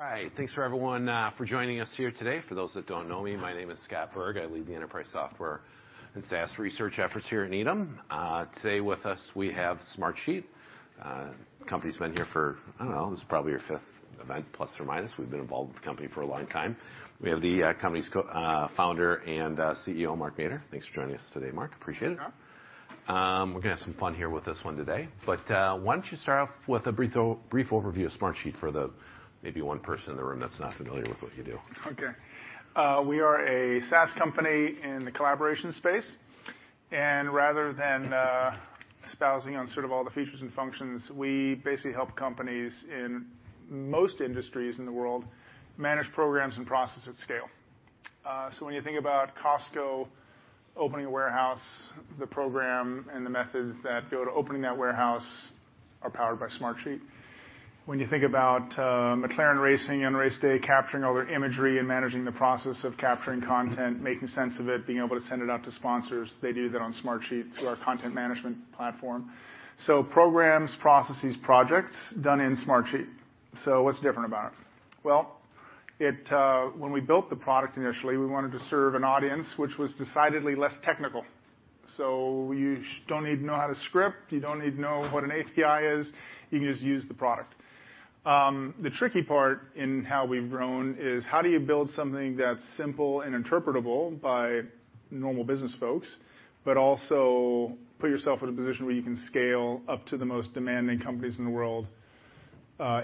All right. Thanks for everyone for joining us here today. For those that don't know me, my name is Scott Berg. I lead the enterprise software and SaaS research efforts here at Needham. Today with us, we have Smartsheet. Company's been here for, I don't know, this is probably your fifth event, plus or minus. We've been involved with the company for a long time. We have the company's founder and CEO, Mark Mader. Thanks for joining us today, Mark. Appreciate it. Sure. We're gonna have some fun here with this one today. Why don't you start off with a brief overview of Smartsheet for the maybe one person in the room that's not familiar with what you do? Okay. We are a SaaS company in the collaboration space. Rather than espousing on sort of all the features and functions, we basically help companies in most industries in the world manage programs and processes scale. When you think about Costco opening a warehouse, the program and the methods that go to opening that warehouse are powered by Smartsheet. When you think about McLaren racing on race day, capturing all their imagery and managing the process of capturing content, making sense of it, being able to send it out to sponsors, they do that on Smartsheet through our content management platform. Programs, processes, projects done in Smartsheet. What's different about it? Well, it. When we built the product, initially, we wanted to serve an audience which was decidedly less technical. You don't need to know how to script. You don't need to know what an API is. You can just use the product. The tricky part in how we've grown is how do you build something that's simple and interpretable by normal business folks, but also put yourself in a position where you can scale up to the most demanding companies in the world,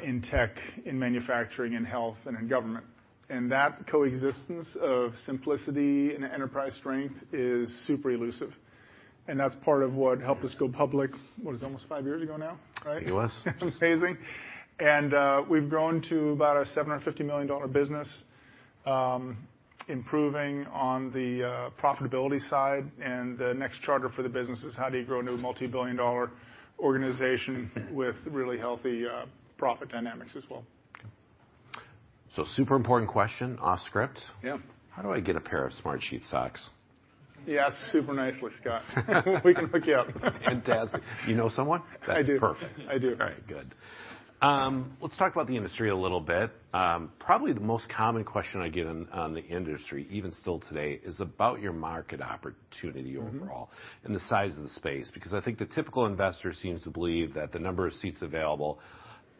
in tech, in manufacturing, in health, and in government. That coexistence of simplicity and enterprise strength is super elusive. That's part of what helped us go public, it's almost five years ago now, right? I think it was. Which is amazing. We've grown to about a $750 million business, improving on the profitability side. The next charter for the business is how do you grow a new multi-billion dollar organization with really healthy profit dynamics as well? Super important question off script. Yeah. How do I get a pair of Smartsheet socks? You ask super nicely, Scott. We can hook you up. Fantastic. You know someone? I do. That's perfect. I do. All right. Good. Let's talk about the industry a little bit. Probably the most common question I get on the industry, even still today, is about your market opportunity overall. Mm-hmm. The size of the space, because I think the typical investor seems to believe that the number of seats available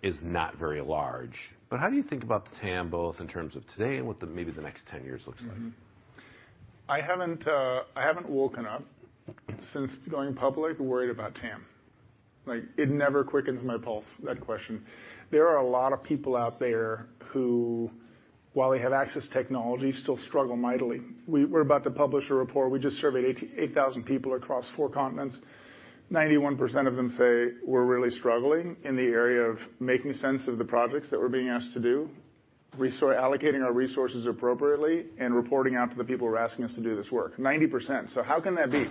is not very large. How do you think about the TAM, both in terms of today and what the maybe the next 10 years looks like? I haven't woken up since going public worried about TAM. Like, it never quickens my pulse, that question. There are a lot of people out there who, while they have access to technology, still struggle mightily. We're about to publish a report. We just surveyed 8 thousand people across four continents. 91% of them say we're really struggling in the area of making sense of the projects that we're being asked to do. We start allocating our resources appropriately and reporting out to the people who are asking us to do this work, 90%. How can that be?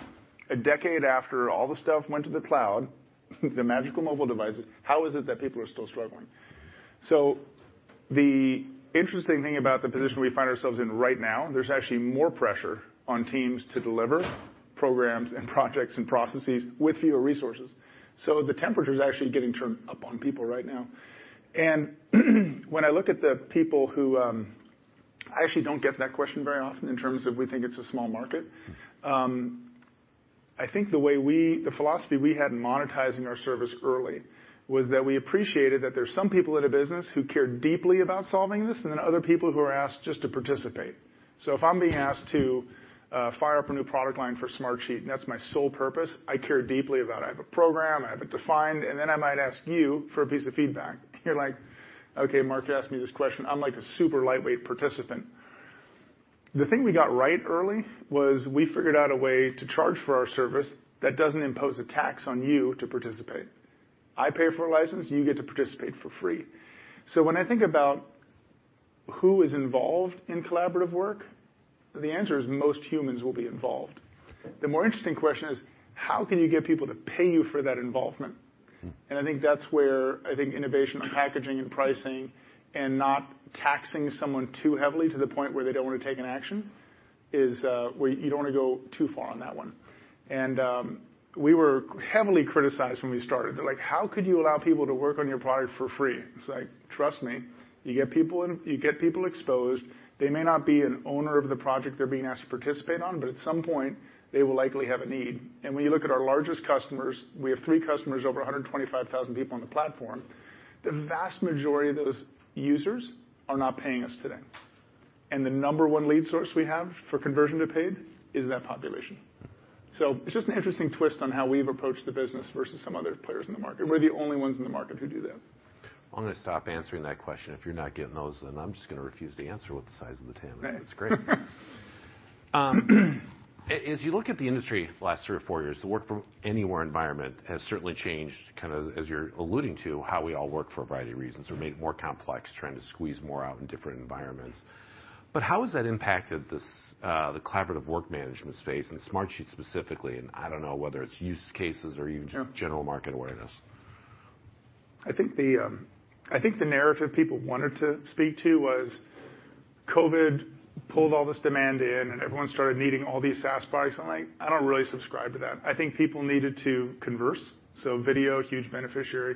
A decade after all the stuff went to the cloud, the magical mobile devices, how is it that people are still struggling? The interesting thing about the position we find ourselves in right now, there's actually more pressure on teams to deliver programs and projects and processes with fewer resources. The temperature's actually getting turned up on people right now. When I look at the people who, I actually don't get that question very often in terms of we think it's a small market. I think the way the philosophy we had in monetizing our service early was that we appreciated that there's some people at a business who care deeply about solving this and then other people who are asked just to participate. If I'm being asked to fire up a new product line for Smartsheet, and that's my sole purpose, I care deeply about it. I have a program, I have it defined, then I might ask you for a piece of feedback. You're like, "Okay, Mark, you asked me this question. I'm like a super lightweight participant." The thing we got right early was we figured out a way to charge for our service that doesn't impose a tax on you to participate. I pay for a license, you get to participate for free. When I think about who is involved in collaborative work, the answer is most humans will be involved. The more interesting question is: how can you get people to pay you for that involvement? Hmm. I think that's where I think innovation on packaging and pricing and not taxing someone too heavily to the point where they don't wanna take an action is where you don't wanna go too far on that one. We were heavily criticized when we started. They're like, "How could you allow people to work on your product for free?" It's like, trust me, you get people exposed, they may not be an owner of the project they're being asked to participate on, but at some point, they will likely have a need. When you look at our largest customers, we have three customers, over 125,000 people on the platform, the vast majority of those users are not paying us today. The number one lead source we have for conversion to paid is that population. It's just an interesting twist on how we've approached the business versus some other players in the market. We're the only ones in the market who do that. I'm gonna stop answering that question. If you're not getting those, I'm just gonna refuse to answer what the size of the TAM is. Right. It's great. As you look at the industry the last three or four years, the work from anywhere environment has certainly changed, kinda, as you're alluding to, how we all work for a variety of reasons or made it more complex trying to squeeze more out in different environments. How has that impacted this, the collaborative work management space and Smartsheet specifically, and I don't know whether it's use cases or even- Sure. general market awareness? I think the, I think the narrative people wanted to speak to was COVID pulled all this demand in and everyone started needing all these SaaS products. Like, I don't really subscribe to that. I think people needed to converse. Video, huge beneficiary.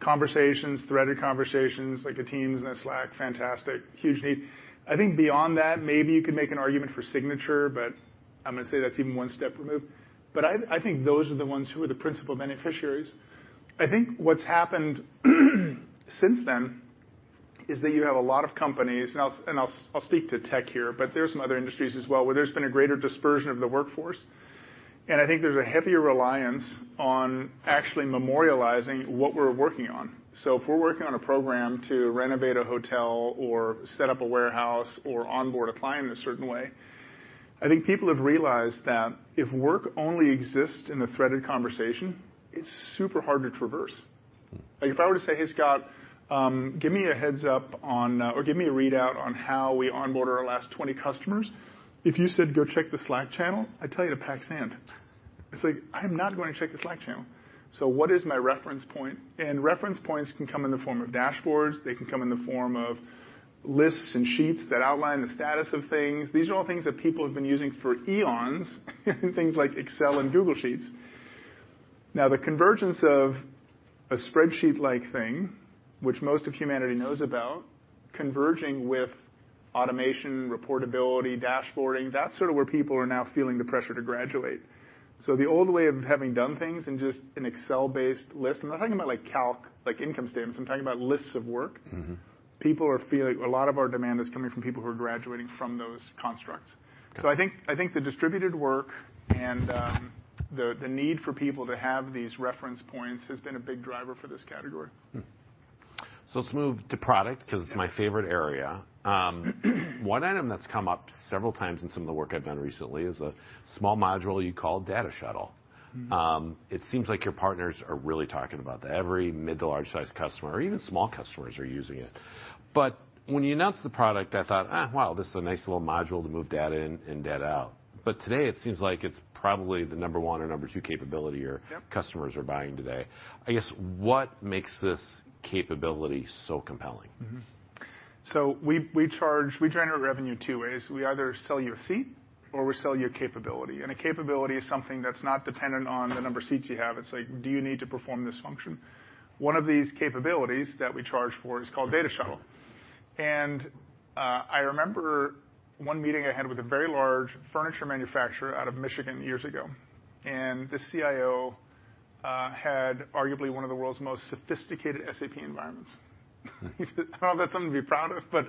Conversations, threaded conversations, like a Teams and a Slack, fantastic. Huge need. I think beyond that, maybe you could make an argument for signature. I'm gonna say that's even one step removed. I think those are the ones who are the principal beneficiaries. I think what's happened since then is that you have a lot of companies. I'll speak to tech here. There are some other industries as well, where there's been a greater dispersion of the workforce. I think there's a heavier reliance on actually memorializing what we're working on. If we're working on a program to renovate a hotel or set up a warehouse or onboard a client in a certain way, I think people have realized that if work only exists in a threaded conversation, it's super hard to traverse. Like if I were to say, "Hey Scott, give me a heads-up on, or give me a readout on how we onboard our last 20 customers," if you said, "Go check the Slack channel," I'd tell you to pack sand. It's like, I am not going to check the Slack channel. What is my reference point? Reference points can come in the form of dashboards. They can come in the form of lists and sheets that outline the status of things. These are all things that people have been using for eons, things like Excel and Google Sheets. The convergence of a spreadsheet-like thing, which most of humanity knows about, converging with automation, reportability, dashboarding, that's sort of where people are now feeling the pressure to graduate. The old way of having done things in just an Excel-based list. I'm not talking about like calc, like income statements. I'm talking about lists of work. Mm-hmm. A lot of our demand is coming from people who are graduating from those constructs. I think the distributed work and the need for people to have these reference points has been a big driver for this category. Let's move to product 'cause it's my favorite area. One item that's come up several times in some of the work I've done recently is a small module you call Data Shuttle. Mm-hmm. It seems like your partners are really talking about that. Every mid to large-sized customer or even small customers are using it. When you announced the product, I thought, well, this is a nice little module to move data in and data out. Today it seems like it's probably the number one or number two capability your- Yep. customers are buying today. I guess, what makes this capability so compelling? We generate revenue two ways. We either sell you a seat or we sell you a capability, and a capability is something that's not dependent on the number of seats you have. It's like, do you need to perform this function? One of these capabilities that we charge for is called Data Shuttle. I remember one meeting I had with a very large furniture manufacturer out of Michigan years ago, and the CIO had arguably one of the world's most sophisticated SAP environments. I don't know if that's something to be proud of, but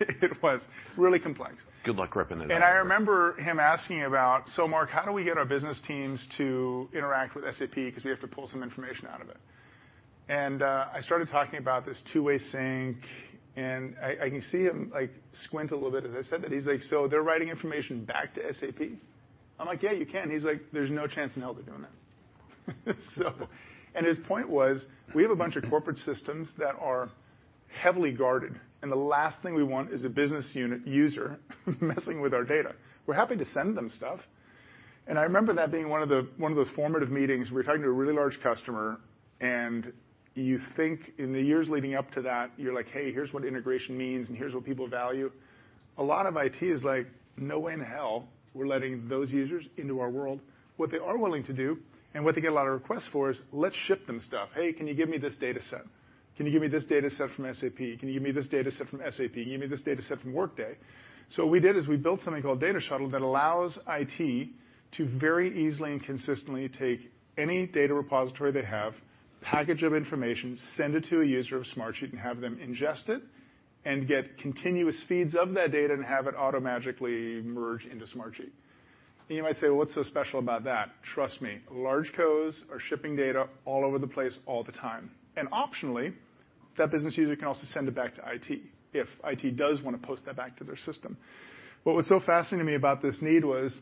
it was really complex. Good luck repping that out. I remember him asking about, "Mark, how do we get our business teams to interact with SAP because we have to pull some information out of it?" I started talking about this two-way sync, and I can see him, like, squint a little bit as I said that. He's like, "They're writing information back to SAP?" I'm like, "Yeah, you can." He's like, "There's no chance in hell they're doing that." His point was, we have a bunch of corporate systems that are heavily guarded, and the last thing we want is a business unit user messing with our data. We're happy to send them stuff. I remember that being one of those formative meetings. We were talking to a really large customer, and you think in the years leading up to that, you're like, "Hey, here's what integration means and here's what people value." A lot of IT is like, "No way in hell we're letting those users into our world." What they are willing to do and what they get a lot of requests for is, "Let's ship them stuff. Hey, can you give me this data set? Can you give me this data set from SAP? Can you give me this data set from Workday?" What we did is we built something called Data Shuttle that allows IT to very easily and consistently take any data repository they have, package of information, send it to a user of Smartsheet and have them ingest it, and get continuous feeds of that data and have it automatically merge into Smartsheet. You might say, "Well, what's so special about that?" Trust me, large cos are shipping data all over the place all the time. Optionally, that business user can also send it back to IT if IT does wanna post that back to their system. What was so fascinating to me about this need was,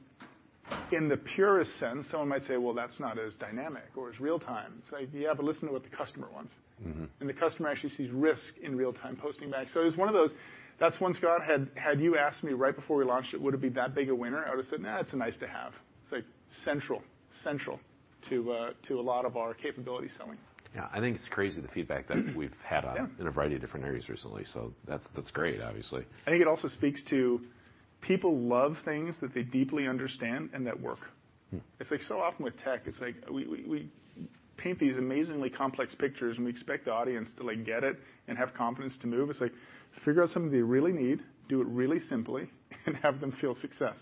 in the purest sense, someone might say, "Well, that's not as dynamic or as real-time." It's like, yeah, but listen to what the customer wants. Mm-hmm. The customer actually sees risk in real-time posting back. It's one of those. That's one Scott had you asked me right before we launched it, would it be that big a winner? I would've said, "Nah, it's nice to have." It's like central to a lot of our capability selling. Yeah. I think it's crazy the feedback that we've had on- Yeah. in a variety of different areas recently. That's great, obviously. I think it also speaks to people love things that they deeply understand and that work. Hmm. It's like so often with tech, it's like we paint these amazingly complex pictures, and we expect the audience to, like, get it and have confidence to move. It's like figure out something they really need, do it really simply, and have them feel success.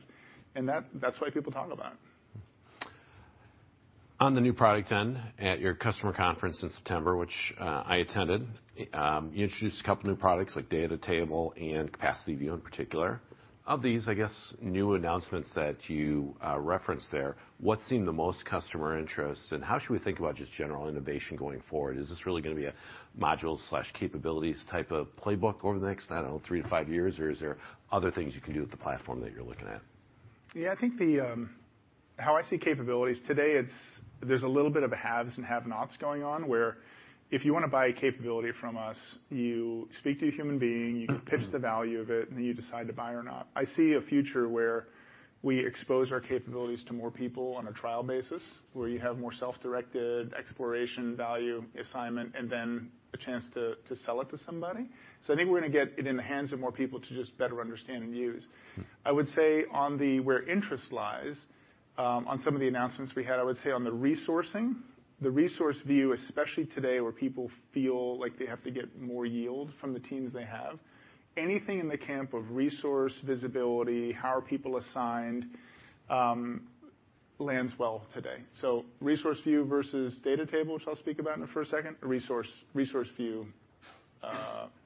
That's why people talk about it. On the new product end at your customer conference in September, which, I attended, you introduced a couple new products like DataTable and Capacity View in particular. Of these, I guess, new announcements that you referenced there, what's seen the most customer interest, and how should we think about just general innovation going forward? Is this really gonna be a module/capabilities type of playbook over the next, I don't know, 3 to 5 years, or is there other things you can do with the platform that you're looking at? I think the how I see capabilities today, there's a little bit of haves and have-nots going on, where if you wanna buy a capability from us, you speak to a human being, you pitch the value of it, and then you decide to buy or not. I see a future where we expose our capabilities to more people on a trial basis, where you have more self-directed exploration, value assignment, and then a chance to sell it to somebody. I think we're gonna get it in the hands of more people to just better understand and use. Mm. I would say on the where interest lies, on some of the announcements we had, I would say on the resourcing, the Resource View, especially today, where people feel like they have to get more yield from the teams they have. Anything in the camp of resource visibility, how are people assigned, lands well today. Resource View versus DataTable, which I'll speak about in the first second. Resource View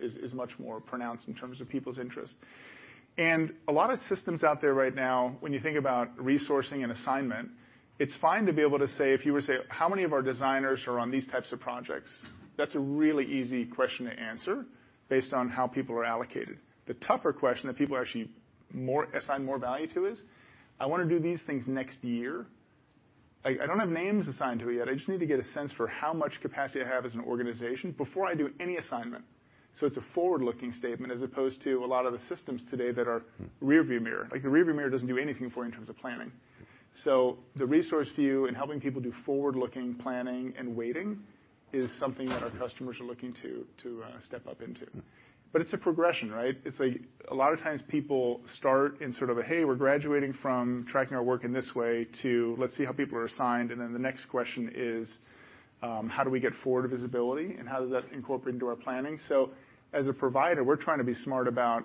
is much more pronounced in terms of people's interest. A lot of systems out there right now, when you think about resourcing and assignment, it's fine to be able to say if you were to say, "How many of our designers are on these types of projects?" That's a really easy question to answer based on how people are allocated. The tougher question that people actually assign more value to is, "I wanna do these things next year. I don't have names assigned to it yet. I just need to get a sense for how much capacity I have as an organization before I do any assignment." It's a forward-looking statement as opposed to a lot of the systems today that are rear view mirror. Like a rear view mirror doesn't do anything for you in terms of planning. The Resource View and helping people do forward-looking planning and waiting is something that our customers are looking to step up into. It's a progression, right? It's like a lot of times people start in sort of a, "Hey, we're graduating from tracking our work in this way to let's see how people are assigned." Then the next question is, how do we get forward visibility and how does that incorporate into our planning? As a provider, we're trying to be smart about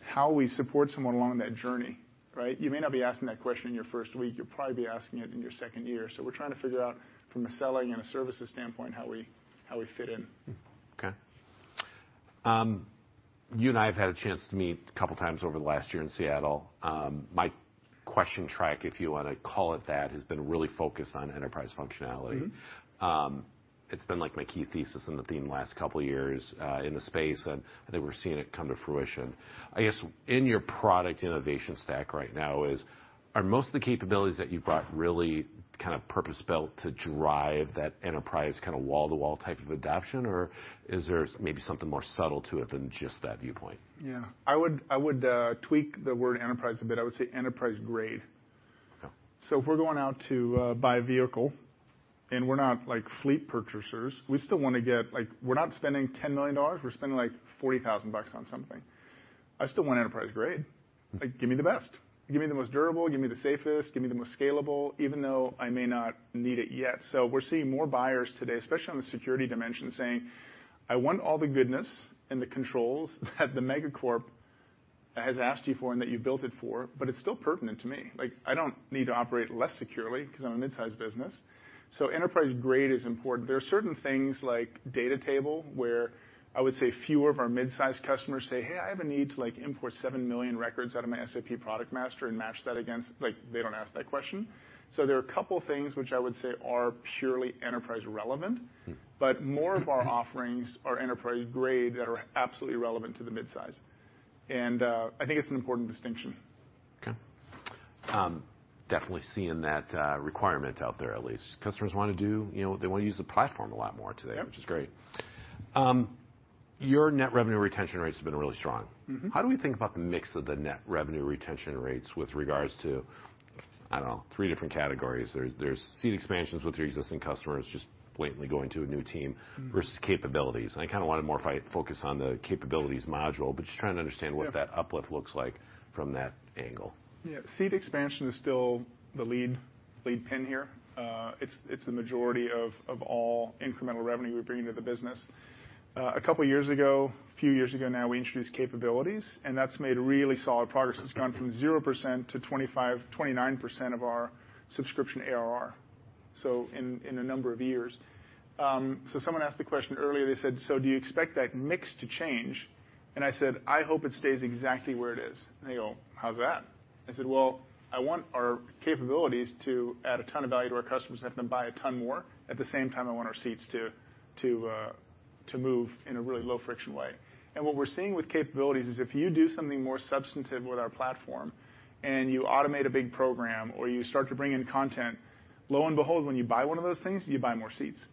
how we support someone along that journey, right? You may not be asking that question in your first week. You'll probably be asking it in your second year. We're trying to figure out from a selling and a services standpoint, how we fit in. Okay. You and I have had a chance to meet a couple times over the last year in Seattle. My question track, if you wanna call it that, has been really focused on enterprise functionality. Mm-hmm. It's been like my key thesis and the theme the last couple of years in the space. I think we're seeing it come to fruition. I guess in your product innovation stack right now, are most of the capabilities that you've got really kind of purpose-built to drive that enterprise kinda wall-to-wall type of adaptation, or is there maybe something more subtle to it than just that viewpoint? Yeah. I would tweak the word enterprise a bit. I would say enterprise grade. Okay. If we're going out to buy a vehicle and we're not like fleet purchasers, we still wanna get. Like, we're not spending $10 million, we're spending like $40,000 on something. I still want enterprise grade. Mm. Like, give me the best. Give me the most durable, give me the safest, give me the most scalable, even though I may not need it yet. We're seeing more buyers today, especially on the security dimension, saying, "I want all the goodness and the controls that the mega corp has asked you for and that you built it for, but it's still pertinent to me. Like, I don't need to operate less securely because I'm a midsize business." Enterprise grade is important. There are certain things like DataTable, where I would say fewer of our midsize customers say, "Hey, I have a need to, like, import 7 million records out of my SAP product master and match that against..." Like, they don't ask that question. There are a couple of things which I would say are purely enterprise relevant. Mm. More of our offerings are enterprise grade that are absolutely relevant to the midsize. I think it's an important distinction. Okay. definitely seeing that, requirement out there at least. Customers wanna do, you know, they wanna use the platform a lot more today... Yep. which is great. Your net revenue retention rates have been really strong. Mm-hmm. How do we think about the mix of the net revenue retention rates with regards to, I don't know, three different categories? There's seat expansions with your existing customers just blatantly going to a new team... Mm. versus capabilities. I kinda want to more focus on the capabilities module, just trying to understand what that uplift looks like from that angle. Yeah. Seat expansion is still the lead pin here. It's the majority of all incremental revenue we bring into the business. A couple of years ago, a few years ago now, we introduced capabilities, and that's made really solid progress. It's gone from 0% to 25%-29% of our subscription ARR, so in a number of years. Someone asked the question earlier, they said, "So do you expect that mix to change?" I said, "I hope it stays exactly where it is." They go, "How's that?" I said, "Well, I want our capabilities to add a ton of value to our customers, have them buy a ton more. At the same time, I want our seats to move in a really low friction way. What we're seeing with capabilities is if you do something more substantive with our platform and you automate a big program or you start to bring in content, lo and behold, when you buy one of those things, you buy more seats.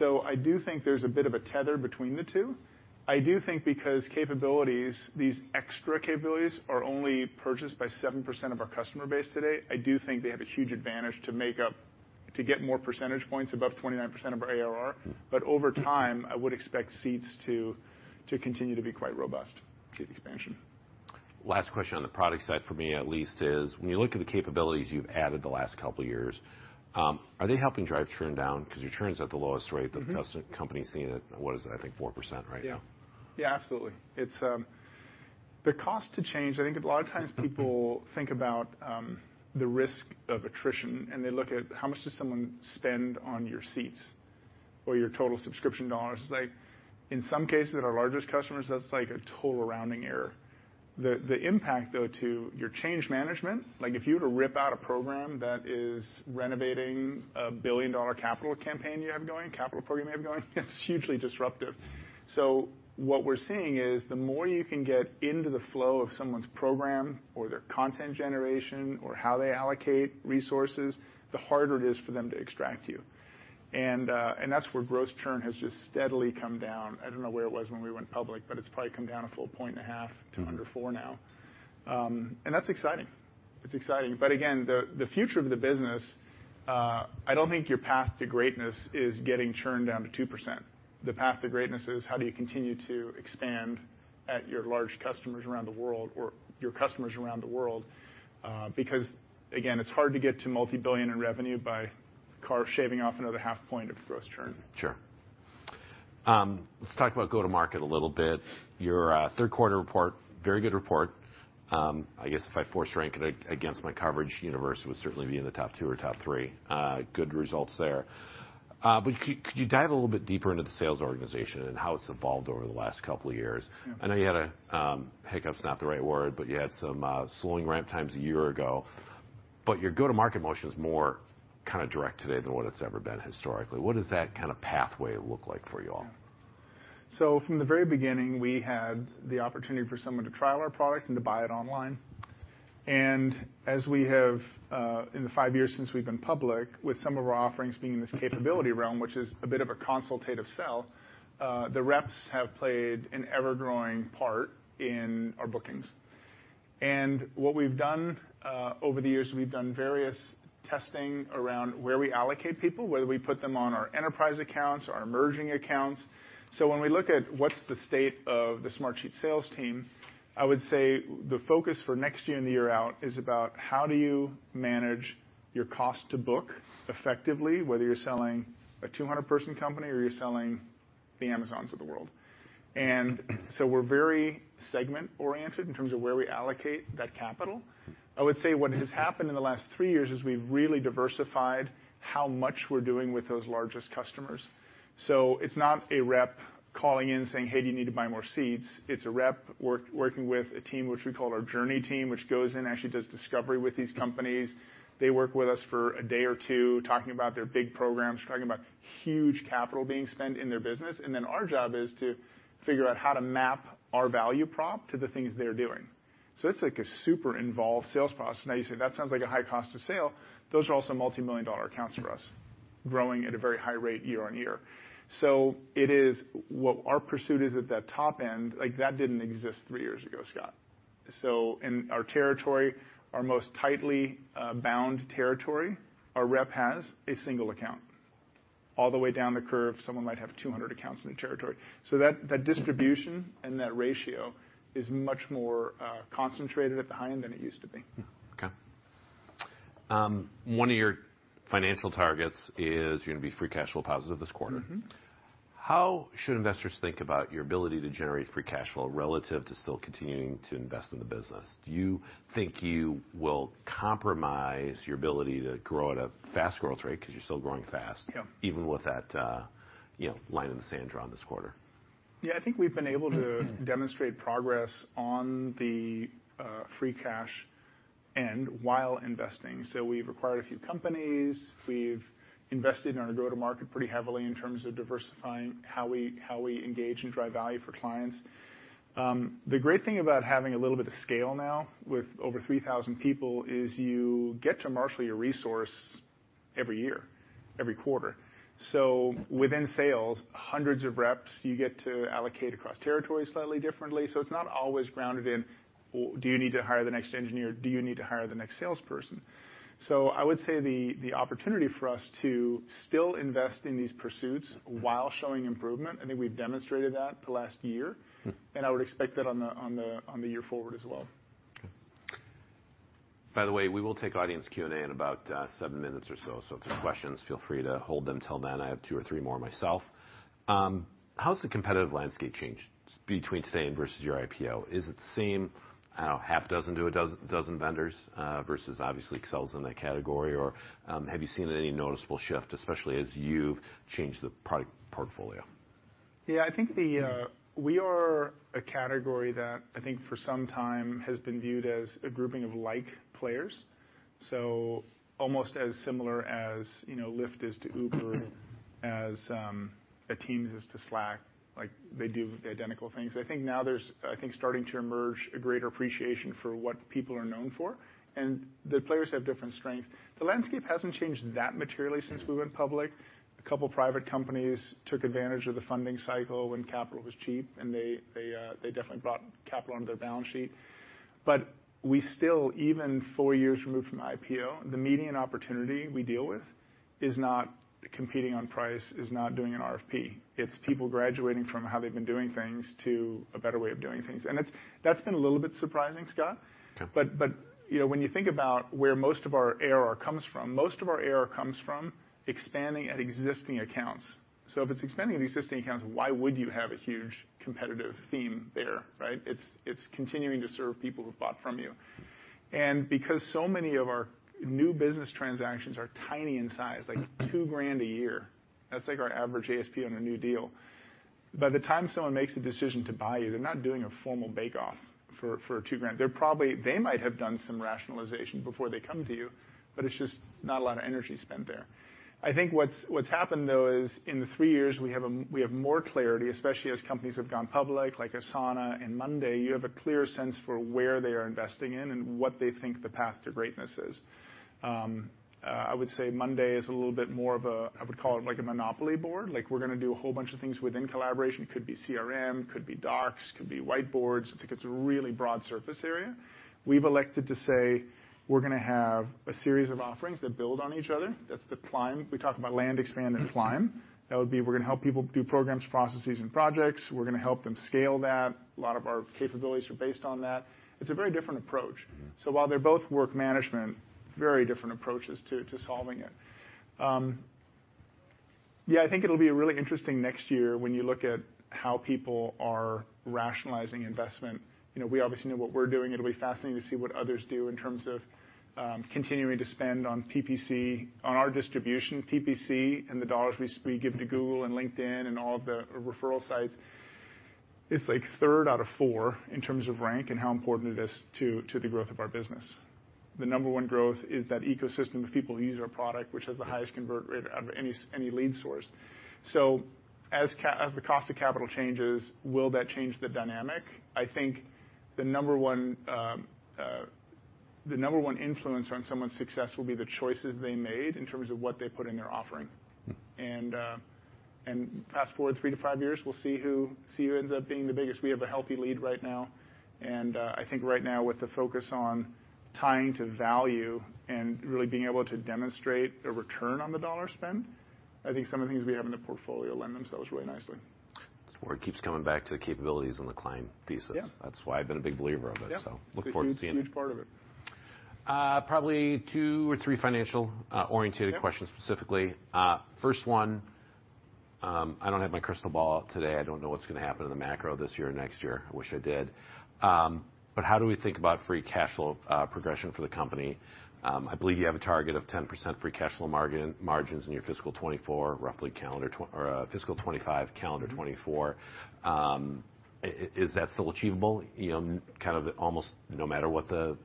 I do think there's a bit of a tether between the two. I do think because capabilities, these extra capabilities are only purchased by 7% of our customer base today, I do think they have a huge advantage to get more percentage points above 29% of our ARR. Over time, I would expect seats to continue to be quite robust to the expansion. Last question on the product side for me at least is when you look at the capabilities you've added the last couple of years, are they helping drive churn down? 'Cause your churn's at the lowest rate that the customer company has seen it. What is it? I think 4% right now. Yeah. Yeah, absolutely. It's... The cost to change, I think a lot of times people think about the risk of attrition, and they look at how much does someone spend on your seats or your total subscription dollars. It's like, in some cases, with our largest customers, that's like a total rounding error. The, the impact, though, to your change management, like if you were to rip out a program that is renovating a billion-dollar capital campaign you have going, capital program you have going, it's hugely disruptive. What we're seeing is the more you can get into the flow of someone's program or their content generation or how they allocate resources, the harder it is for them to extract you. That's where gross churn has just steadily come down. I don't know where it was when we went public, but it's probably come down 1.5 percentage points to under 4% now. That's exciting. It's exciting. Again, the future of the business, I don't think your path to greatness is getting churned down to 2%. The path to greatness is how do you continue to expand at your large customers around the world or your customers around the world, again, it's hard to get to multi-billion in revenue by shaving off another half point of gross churn. Sure. Let's talk about go-to-market a little bit. Your third quarter report, very good report. I guess if I force rank it against my coverage universe, it would certainly be in the top 2 or top 3. Good results there. Could you dive a little bit deeper into the sales organization and how it's evolved over the last couple of years? Yeah. I know you had a, hiccup's not the right word, but you had some, slowing ramp times a year ago. Your go-to-market motion is more kinda direct today than what it's ever been historically. What does that kinda pathway look like for you all? From the very beginning, we had the opportunity for someone to trial our product and to buy it online. As we have, in the 5 years since we've been public, with some of our offerings being in this capability realm, which is a bit of a consultative sell, the reps have played an ever-growing part in our bookings. What we've done, over the years, we've done various testing around where we allocate people, whether we put them on our enterprise accounts or our emerging accounts. When we look at what's the state of the Smartsheet sales team, I would say the focus for next year and the year out is about how do you manage your cost to book effectively, whether you're selling a 200 person company or you're selling the Amazons of the world. We're very segment oriented in terms of where we allocate that capital. I would say what has happened in the last three years is we've really diversified how much we're doing with those largest customers. It's not a rep calling in saying, Hey, do you need to buy more seats? It's a rep work, working with a team which we call our journey team, which goes in, actually does discovery with these companies. They work with us for a day or two, talking about their big programs, talking about huge capital being spent in their business, then our job is to figure out how to map our value prop to the things they're doing. It's like a super involved sales process. Now, you say that sounds like a high cost of sale. Those are also multimillion-dollar accounts for us, growing at a very high rate year-over-year. What our pursuit is at that top end, like that didn't exist three years ago, Scott. In our territory, our most tightly bound territory, our rep has a single account. All the way down the curve, someone might have 200 accounts in the territory. That distribution and that ratio is much more concentrated at the high end than it used to be. Okay. one of your financial targets is you're gonna be free cash flow positive this quarter. Mm-hmm. How should investors think about your ability to generate free cash flow relative to still continuing to invest in the business? Do you think you will compromise your ability to grow at a fast growth rate, 'cause you're still growing fast? Yeah. Even with that, you know, line in the sand drawn this quarter? I think we've been able to demonstrate progress on the free cash and while investing. We've acquired a few companies. We've invested in our go-to-market pretty heavily in terms of diversifying how we, how we engage and drive value for clients. The great thing about having a little bit of scale now with over 3,000 people is you get to marshal your resource every year, every quarter. Within sales, hundreds of reps, you get to allocate across territories slightly differently. It's not always grounded in, do you need to hire the next engineer? Do you need to hire the next salesperson? I would say the opportunity for us to still invest in these pursuits while showing improvement, I think we've demonstrated that the last year. Hmm. I would expect that on the year forward as well. By the way, we will take audience Q&A in about 7 minutes or so. If there's questions, feel free to hold them till then. I have 2 or 3 more myself. How's the competitive landscape changed between today and versus your IPO? Is it the same, I don't know, half dozen to a dozen vendors, versus obviously Excel in that category? Have you seen any noticeable shift, especially as you've changed the product portfolio? I think the we are a category that I think for some time has been viewed as a grouping of like players. Almost as similar as, you know, Lyft is to Uber, as a Teams is to Slack, like they do the identical things. I think now there's, I think, starting to emerge a greater appreciation for what people are known for, and the players have different strengths. The landscape hasn't changed that materially since we went public. A couple private companies took advantage of the funding cycle when capital was cheap, and they definitely brought capital under their balance sheet. We still, even four years removed from IPO, the median opportunity we deal with is not competing on price, is not doing an RFP. It's people graduating from how they've been doing things to a better way of doing things. That's been a little bit surprising, Scott. Okay. you know, when you think about where most of our ARR comes from, most of our ARR comes from expanding at existing accounts. If it's expanding the existing accounts, why would you have a huge competitive theme there, right? It's continuing to serve people who bought from you. Because so many of our new business transactions are tiny in size, like $2 grand a year, that's like our average ASP on a new deal, by the time someone makes a decision to buy you, they're not doing a formal bake off for $2 grand. They're probably. They might have done some rationalization before they come to you, but it's just not a lot of energy spent there. I think what's happened, though, is in the three years, we have more clarity, especially as companies have gone public, like Asana and monday.com, you have a clear sense for where they are investing in and what they think the path to greatness is. I would say monday.com is a little bit more of a, I would call it like a monopoly board. We're gonna do a whole bunch of things within collaboration. Could be CRM, could be docs, could be whiteboards. I think it's a really broad surface area. We've elected to say we're gonna have a series of offerings that build on each other. That's the climb. We talk about land, expand, and climb. That would be, we're gonna help people do programs, processes, and projects. We're gonna help them scale that. A lot of our capabilities are based on that. It's a very different approach. Mm-hmm. While they're both work management, very different approaches to solving it. Yeah, I think it'll be a really interesting next year when you look at how people are rationalizing investment. You know, we obviously know what we're doing. It'll be fascinating to see what others do in terms of continuing to spend on PPC. On our distribution, PPC and the dollars we give to Google and LinkedIn and all of the referral sites, it's like third out of four in terms of rank and how important it is to the growth of our business. The number 1 growth is that ecosystem of people who use our product, which has the highest convert rate out of any lead source. As the cost of capital changes, will that change the dynamic? I think the number one, the number one influence on someone's success will be the choices they made in terms of what they put in their offering. Mm. Fast-forward 3 to 5 years, we'll see who ends up being the biggest. We have a healthy lead right now, I think right now with the focus on tying to value and really being able to demonstrate a return on the dollar spend, I think some of the things we have in the portfolio lend themselves really nicely. It's where it keeps coming back to the capabilities and the client thesis. Yeah. That's why I've been a big believer of it. Yeah. Look forward to seeing it. It's a huge, huge part of it. probably 2 or 3 financial Yeah. questions specifically. First one, I don't have my crystal ball today. I don't know what's gonna happen in the macro this year or next year. I wish I did. How do we think about free cash flow progression for the company? I believe you have a target of 10% free cash flow margins in your FY24, roughly calendar or FY25, calendar 2024. Is that still achievable, you know, kind of almost no matter what the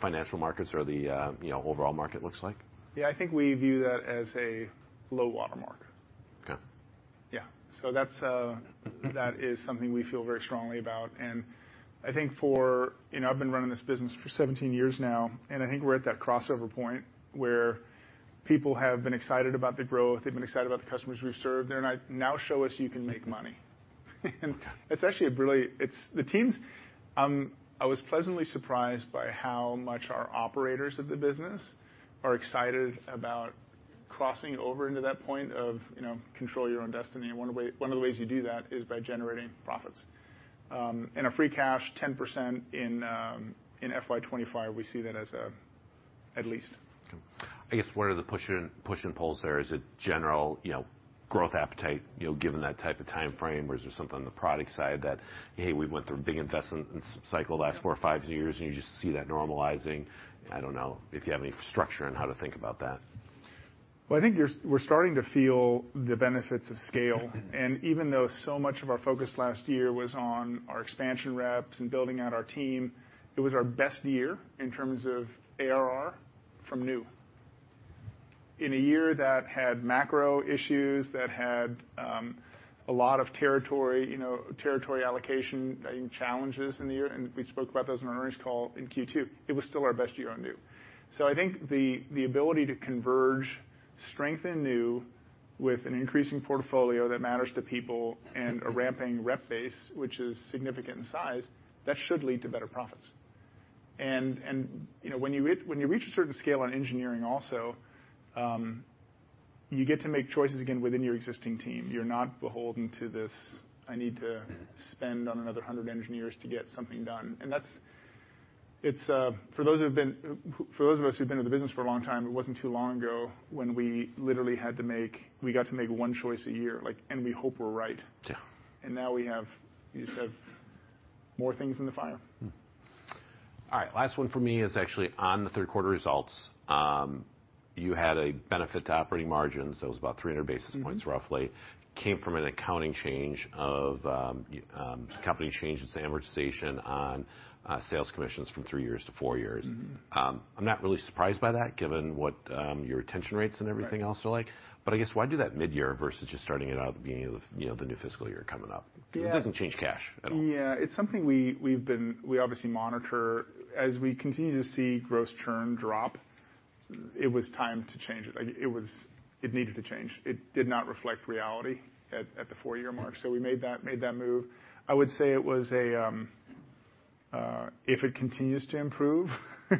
financial markets or the, you know, overall market looks like? I think we view that as a low watermark. Okay. That's that is something we feel very strongly about. I think for You know, I've been running this business for 17 years now, and I think we're at that crossover point where people have been excited about the growth, they've been excited about the customers we've served, they're like, "Now show us you can make money." It's actually a really The teams I was pleasantly surprised by how much our operators of the business are excited about crossing over into that point of, you know, control your own destiny. One of the ways you do that is by generating profits. A free cash, 10% in FY25, we see that as a at least. I guess what are the push and pulls there? Is it general, you know, growth appetite, you know, given that type of timeframe? Or is there something on the product side that, hey, we went through a big investment cycle the last four or five years, and you just see that normalizing? I don't know if you have any structure on how to think about that. Well, I think we're starting to feel the benefits of scale. Mm-hmm. Even though so much of our focus last year was on our expansion reps and building out our team, it was our best year in terms of ARR from new. In a year that had macro issues, that had a lot of territory, you know, territory allocation, I think, challenges in the year, and we spoke about those in our earnings call in Q2, it was still our best year on new. I think the ability to converge strength in new with an increasing portfolio that matters to people and a ramping rep base, which is significant in size, that should lead to better profits. You know, when you reach a certain scale on engineering also, you get to make choices again within your existing team. You're not beholden to this, "I need to spend on another 100 engineers to get something done." That's. It's for those of us who've been in the business for a long time, it wasn't too long ago when we got to make 1 choice a year, like, and we hope we're right. Yeah. Now we have, you just have more things in the fire. All right. Last one for me is actually on the third quarter results. You had a benefit to operating margins. That was about 300 basis points roughly. Came from an accounting change of company changed its amortization on sales commissions from 3 years to 4 years. Mm-hmm. I'm not really surprised by that given what, your retention rates and everything else are like. Right. I guess why do that mid-year versus just starting it out at the beginning of the, you know, the new fiscal year coming up? Yeah. It doesn't change cash at all. Yeah. It's something we obviously monitor. As we continue to see gross churn drop, it was time to change it. Like, it needed to change. It did not reflect reality at the four-year mark. We made that move. I would say it was, if it continues to improve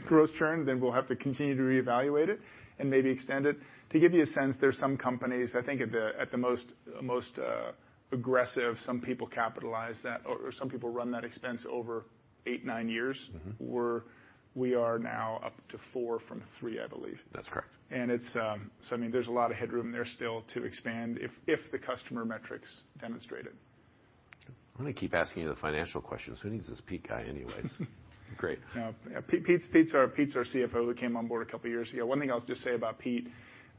gross churn, then we'll have to continue to reevaluate it and maybe extend it. To give you a sense, there's some companies, I think at the most aggressive, some people capitalize that or some people run that expense over eight, nine years. Mm-hmm. We are now up to 4 from 3, I believe. That's correct. It's I mean, there's a lot of headroom there still to expand if the customer metrics demonstrate it. I'm gonna keep asking you the financial questions. Who needs this Pete guy anyways? Great. Yeah. Pete's our CFO, who came on board a couple years ago. One thing I'll just say about Pete.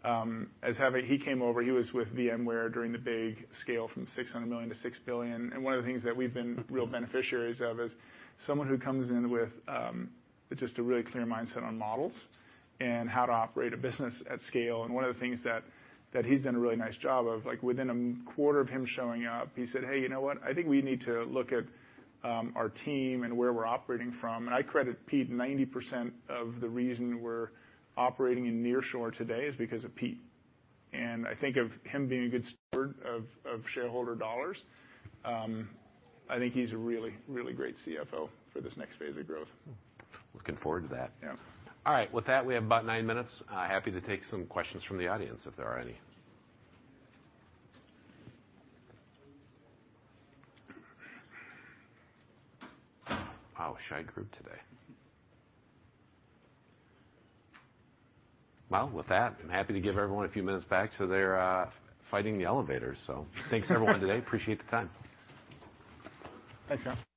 He came over, he was with VMware during the big scale from $600 million to $6 billion. One of the things that we've been real beneficiaries of is someone who comes in with just a really clear mindset on models and how to operate a business at scale. One of the things that he's done a really nice job of, like, within a quarter of him showing up, he said, "Hey, you know what? I think we need to look at our team and where we're operating from." I credit Pete 90% of the reason we're operating in nearshore today is because of Pete. I think of him being a good steward of shareholder dollars, I think he's a really great CFO for this next phase of growth. Looking forward to that. Yeah. All right. With that, we have about nine minutes. Happy to take some questions from the audience, if there are any. Wow, shy group today. Well, with that, I'm happy to give everyone a few minutes back, so they're fighting the elevators. Thanks everyone today. Appreciate the time. Thanks, y'all.